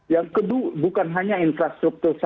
yang kedua bukan hanya infrastruktur saja